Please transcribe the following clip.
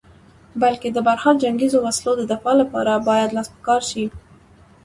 بلکې د برحاله جنګیزو وسلو د دفاع لپاره باید لاس په کار شې.